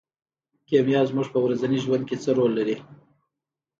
کیمیا زموږ په ورځني ژوند کې څه رول لري.